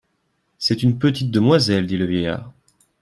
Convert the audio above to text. C'est une petite demoiselle, dit le vieillard.